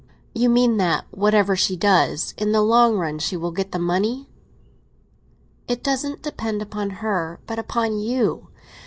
"You mean that, whatever she does, in the long run she will get the money?" "It doesn't depend upon her, but upon you.